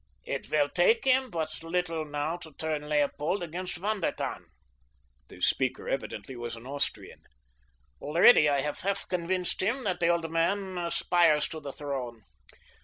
"It will take but little now to turn Leopold against Von der Tann." The speaker evidently was an Austrian. "Already I have half convinced him that the old man aspires to the throne.